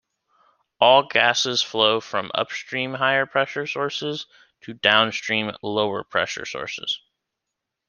All gases flow from upstream higher pressure sources to downstream lower pressure sources.